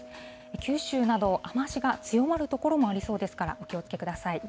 九州など、雨足が強まる所もありそうですから、お気をつけください。